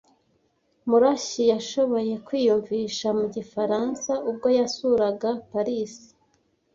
Murashyi yashoboye kwiyumvisha mu gifaransa ubwo yasuraga Paris.